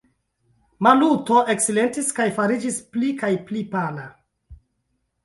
Maluto eksilentis kaj fariĝis pli kaj pli pala.